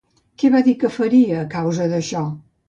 Què va dir que faria a causa d'això?